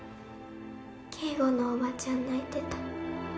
圭吾のおばちゃん泣いてた。